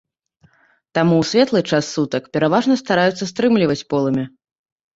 Таму ў светлы час сутак пераважна стараюцца стрымліваць полымя.